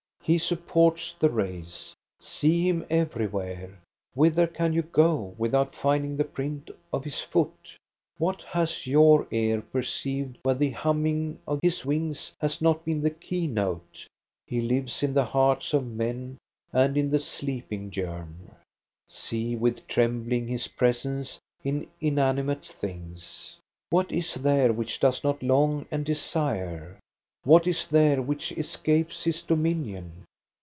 He supports the race. See him everywhere ! Whither can you go without finding the print of his foot? What has your ear perceived, where the humming of his wings has not been the key note ? He lives in the hearts of men and in the sleeping germ. See with trembling his presence in inanimate things! What is there which does not long and desire? What is there which escapes his dominion